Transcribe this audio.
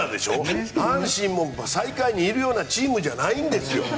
阪神も最下位にいるようなチームじゃないんですよ。